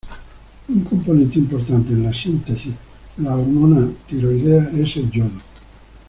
Un componente importante en la síntesis de las hormonas tiroideas es el yodo.